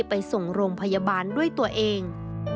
ไปส่งโรงพยาบาลด้วยตัวเอง